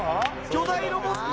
巨大ロボット。